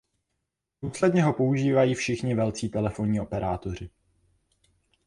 Důsledně ho používají všichni velcí telefonní operátoři.